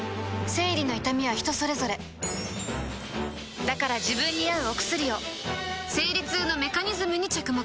生理の痛みは人それぞれだから自分に合うお薬を生理痛のメカニズムに着目